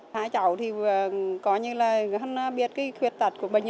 hai cháu thì có như là biết khuyết tật của mình